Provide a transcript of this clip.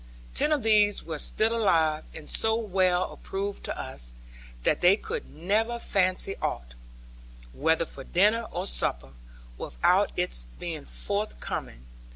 Ten of these were still alive, and so well approved to us, that they could never fancy aught, whether for dinner or supper, without its being forth coming.